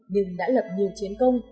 nhưng đã lập nhiều chiến công